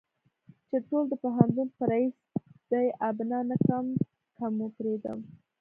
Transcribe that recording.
چې ټول د پوهنتون په ريس بې آبه نه کم که مو پرېدم.